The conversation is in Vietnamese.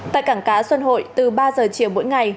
tại cảng cá xuân hội từ ba giờ chiều mỗi ngày